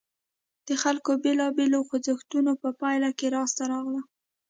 د خلکو بېلابېلو خوځښتونو په پایله کې لاسته راغله.